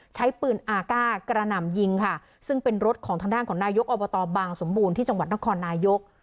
ใช้ปืนอากาศกระหน่ำยิงค่ะซึ่งเป็นรถของทางด้านของนายกอบตบางสมบูรณ์ที่จังหวัดนครนายก